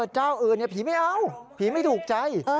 เจ้าอื่นผีไม่เอาผีไม่ถูกใจ